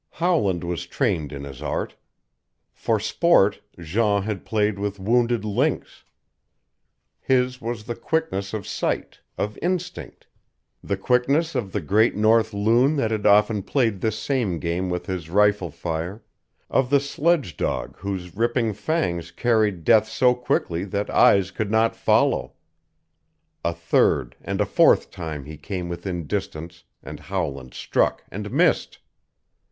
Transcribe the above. Howland was trained in his art. For sport Jean had played with wounded lynx; his was the quickness of sight, of instinct the quickness of the great north loon that had often played this same game with his rifle fire, of the sledge dog whose ripping fangs carried death so quickly that eyes could not follow. A third and a fourth time he came within distance and Howland struck and missed.